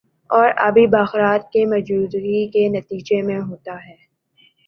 اور آبی بخارات کی موجودگی کے نتیجے میں ہوتا ہے